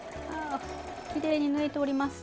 きれいに縫えております。